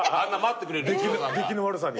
出来の悪さに？